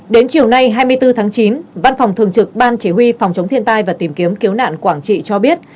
đến chiều nay hai mươi bốn tháng chín văn phòng thường trực ban chỉ huy phòng chống thiên tai và tìm kiếm cứu nạn quảng trị cho biết